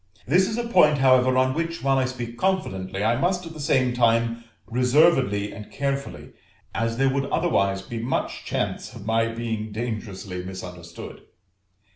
This is a point, however, on which, while I speak confidently, I must at the same time reservedly and carefully, as there would otherwise be much chance of my being dangerously misunderstood.